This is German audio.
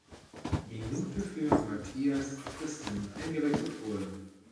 Minute für Mathias Christen eingewechselt wurde.